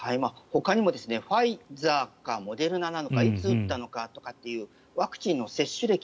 ほかにもファイザーかモデルナなのかいつ打ったのかなどというワクチンの接種歴